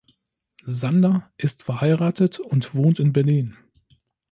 Sander ist verheiratet und wohnt in Berlin.